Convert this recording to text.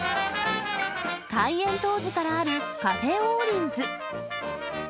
開園当時からあるカフェ・オーリンズ。